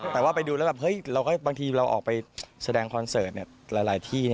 แต่ว่าไปดูแล้วแบบเฮ้ยบางทีเราออกไปแสดงคอนเสิร์ตหลายที่